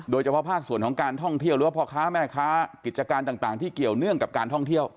โดยเฉพาะภาคส่วนของการท่องเที่ยวหรือว่าพ่อค้าแม่ค้ากิจการต่างที่เกี่ยวเนื่องกับการท่องเที่ยว